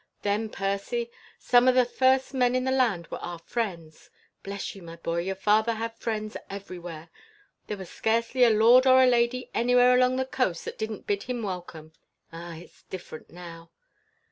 Then, Percy, some o' the first men in the land were our friends. Bless ye, boy, your father had friends everywhere. There was scarcely a lord or a lady anywhere along the coast that didn't bid him welcome. Ah! it's different now."